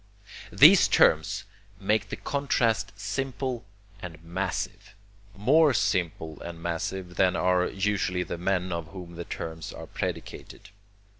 These terms make the contrast simple and massive. More simple and massive than are usually the men of whom the terms are predicated.